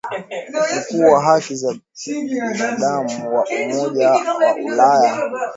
Mkuu wa haki za binadamu wa Umoja wa Ulaya